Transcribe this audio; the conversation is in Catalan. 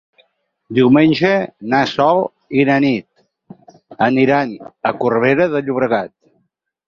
Diumenge na Sol i na Nit aniran a Corbera de Llobregat.